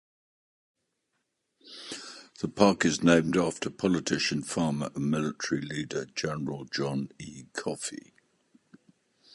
The park is named after politician, farmer, and military leader General John E. Coffee.